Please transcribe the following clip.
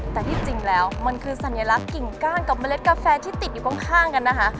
แต่ที่จริงแล้วมันคือสัญลักษณ์กิ่งก้านกับเมล็ดกาแฟที่ติดอยู่ข้างกันนะคะ